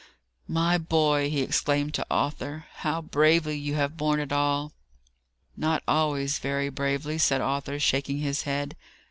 "My boy!" he exclaimed to Arthur, "how bravely you have borne it all!" "Not always very bravely," said Arthur, shaking his head.